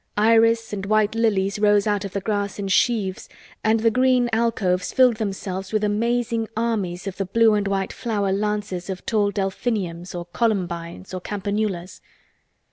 Iris and white lilies rose out of the grass in sheaves, and the green alcoves filled themselves with amazing armies of the blue and white flower lances of tall delphiniums or columbines or campanulas.